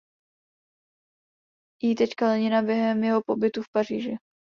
I. Lenina během jeho pobytu v Paříži.